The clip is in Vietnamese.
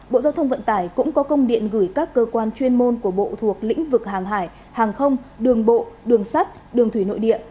bộ giao thông vận tải cũng có công điện gửi các cơ quan chuyên môn của bộ thuộc lĩnh vực hàng hải hàng không đường bộ đường sắt đường thủy nội địa